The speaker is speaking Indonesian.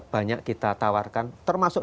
banyak kita tawarkan termasuk